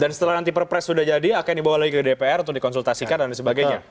dan setelah nanti perpres sudah jadi akan dibawa lagi ke dpr untuk dikonsultasikan dan sebagainya